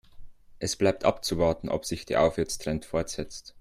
Es bleibt abzuwarten, ob sich der Aufwärtstrend fortsetzt.